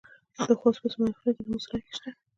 د خوست په اسماعیل خیل کې د مسو نښې شته.